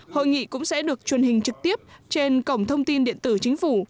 hội nghị cũng sẽ được truyền hình trực tiếp trên cổng thông tin điện tử chính phủ